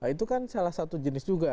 itu kan salah satu jenis juga